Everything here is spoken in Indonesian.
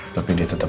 tapi dia tetep